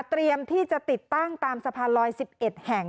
เตรียมที่จะติดตั้งตามสะพานลอย๑๑แห่ง